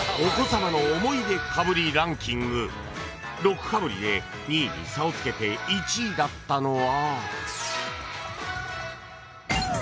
［６かぶりで２位に差をつけて１位だったのは］